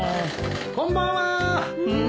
・・こんばんは。